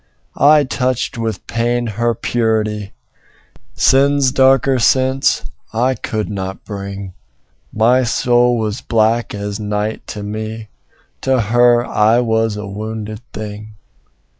I touched with pain her purity; Sin's darker sense I could not bring: My soul was black as night to me: To her I was a wounded thing.